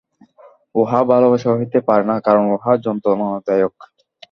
উহা ভালবাসা হইতে পারে না, কারণ উহা যন্ত্রণাদায়ক।